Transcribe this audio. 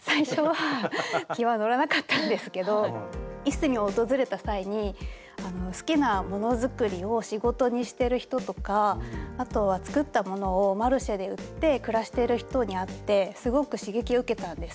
最初は気は乗らなかったんですけどいすみを訪れた際に好きなものづくりを仕事にしてる人とかあとは作ったものをマルシェで売って暮らしてる人に会ってすごく刺激を受けたんです。